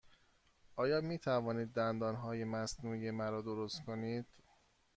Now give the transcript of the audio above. آیا می توانید دندانهای مصنوعی مرا درست کنید؟